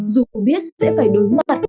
dù biết sẽ phải đối mặt với nhiều thách thức